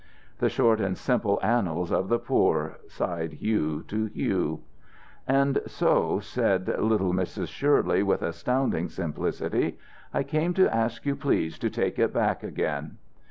"The short and simple annals of the poor," sighed Hugh to Hugh. "And so," said little Mrs. Shirley, with astounding simplicity, "I came to ask you please to take it back again."